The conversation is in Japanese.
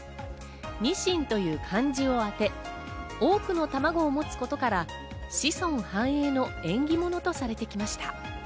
ニシンという漢字をあて、多くの卵を持つことから、子孫繁栄の縁起物とされてきました。